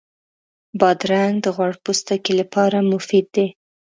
بادرنګ د غوړ پوستکي لپاره مفید دی.